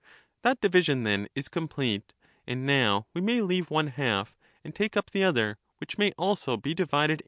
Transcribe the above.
That division, then, is complete; and now we may leave one half, and take up the other; which may also be divided into two.